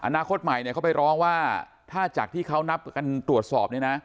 อนาคตใหม่เนี่ยเขาไปร้องว่าถ้าจากที่เขานับกันตรวจสอบเนี่ยนะ